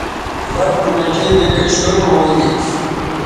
بَٹ نو مٹھے نکئ شروع ھویں گے